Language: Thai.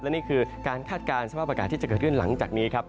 และนี่คือการคาดการณ์สภาพอากาศที่จะเกิดขึ้นหลังจากนี้ครับ